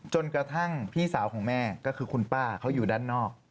จนกระทั่งพี่สาวของแม่ก็คือคุณป้าเขาอยู่ด้านนอก